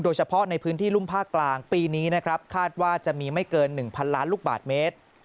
โดยเฉพาะในพื้นที่รุ่มภาคกลางปีนี้นะครับคาดว่าจะมีไม่เกิน๑๐๐ล้านลูกบาทเมตร